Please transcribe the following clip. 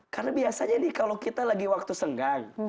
karena biasanya nih kalau kita lagi waktu senggang